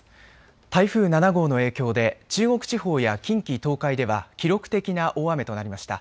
台風７号の影響で中国地方や近畿、東海では記録的な大雨となりました。